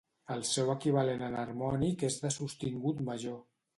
El seu equivalent enharmònic és do sostingut major.